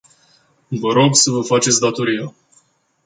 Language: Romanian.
Vă rog să vă faceți datoria!